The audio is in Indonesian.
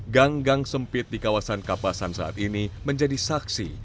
gang gang sempit di kawasan kapasan saat ini menjadi saksi